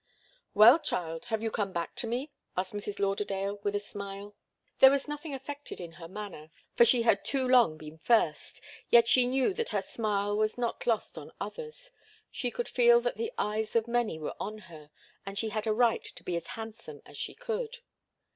"Well, child, have you come back to me?" asked Mrs. Lauderdale, with a smile. There was nothing affected in her manner, for she had too long been first, yet she knew that her smile was not lost on others she could feel that the eyes of many were on her, and she had a right to be as handsome as she could.